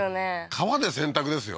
川で洗濯ですよ